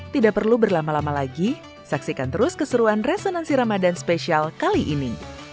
tidak perlu berlama lama lagi saksikan terus keseruan resonansi ramadan spesial kali ini